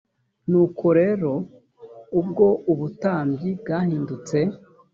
nuko rero ubwo ubutambyi bwahindutse